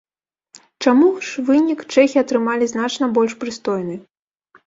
Чаму ж вынік чэхі атрымалі значна больш прыстойны?